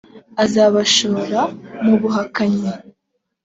azabashora mu buhakanyi